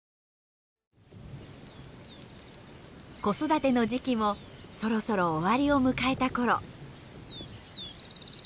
子育ての時期もそろそろ終わりを迎えた頃。